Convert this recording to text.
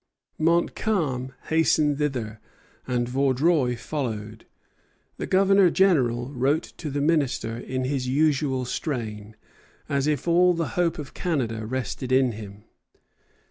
Montcalm hastened thither, and Vaudreuil followed. The Governor General wrote to the Minister in his usual strain, as if all the hope of Canada rested in him.